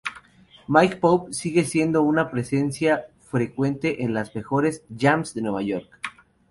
Mike Pope sigue siendo una presencia frecuente en las mejores "jams" de Nueva York.